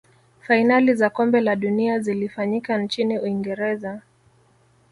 fainali za kombe la dunia zilifanyika nchini uingereza